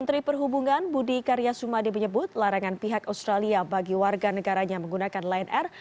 menteri perhubungan budi karyasumade menyebut larangan pihak australia bagi warga negaranya menggunakan line r